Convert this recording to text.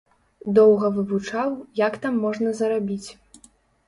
Доўга вывучаў, як там можна зарабіць.